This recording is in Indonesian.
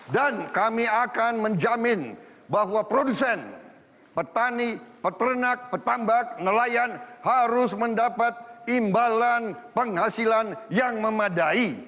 dan kami akan menjamin bahwa produsen petani peternak petambak nelayan harus mendapat imbalan penghasilan yang memadai